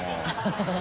ハハハ